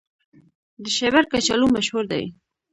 د شیبر کچالو مشهور دي